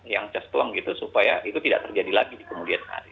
yang custom gitu supaya itu tidak terjadi lagi di kemudian hari